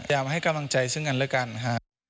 เอามาให้กำลังใจซึ่งกันแล้วกันค่ะ